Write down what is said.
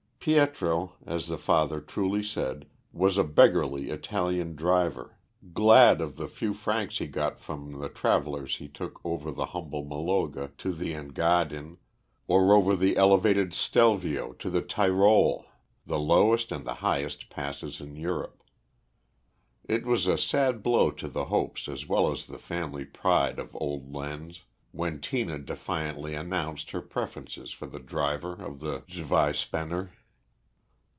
Pietro, as the father truly said, was a beggarly Italian driver, glad of the few francs he got from the travellers he took over the humble Maloga to the Engadine, or over the elevated Stelvio to the Tyrol, the lowest and the highest passes in Europe. It was a sad blow to the hopes as well as the family pride of old Lenz when Tina defiantly announced her preference for the driver of the Zweispanner.